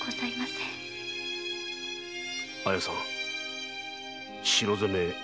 綾さん城攻め